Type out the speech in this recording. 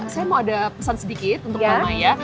saya mau ada pesan sedikit untuk mama ya